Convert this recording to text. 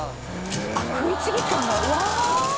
あっ食いちぎったんだうわ！